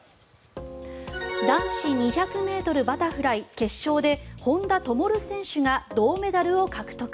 男子２００ｍバタフライ決勝で本多灯選手が銅メダルを獲得。